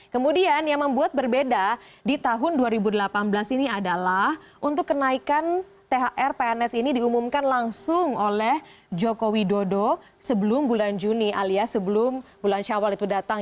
kemudian yang membuat berbeda di tahun dua ribu delapan belas ini adalah untuk kenaikan thr pns ini diumumkan langsung oleh joko widodo sebelum bulan juni alias sebelum bulan syawal itu datang